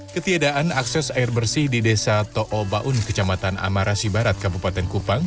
ketiadaan akses air bersih di desa ⁇ too baun kecamatan amarasi barat kabupaten kupang